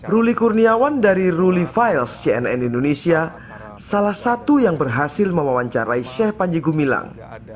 ruli kurniawan dari ruli files cnn indonesia salah satu yang berhasil mewawancarai sheikh panji gumilang